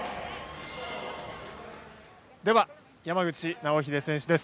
山口尚秀選手です。